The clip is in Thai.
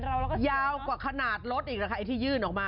มันยาวกว่าขนาดรถอีกนะคะ